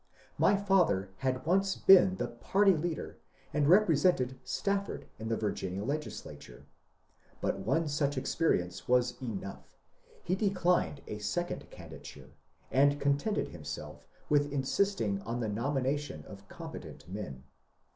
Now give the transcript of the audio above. My father had once been the party leader, and represented Staf ford in the Virginia Legislature ; but one such experience was enough ; he declined a second candidature, and contented him self with insisting on the nomination of competent men.